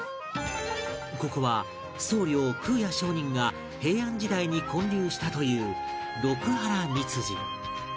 ここは僧侶空也上人が平安時代に建立したという六波羅蜜寺